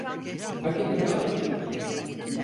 Paketini alıp çıktı…